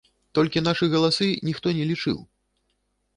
Толькі нашы галасы ніхто не лічыў.